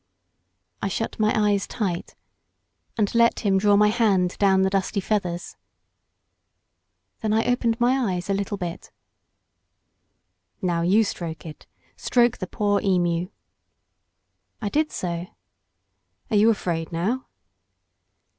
I shut my eyes tight, and let him draw my hand down the dusty feathers. Then I opened my eyes a little bit. "Now you stroke it. Stroke the poor emu." I did so. "Are you afraid now?"